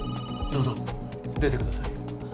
どうぞ出てください